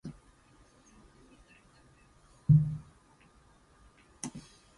Let "S" be an algebraic surface that is non-singular and projective.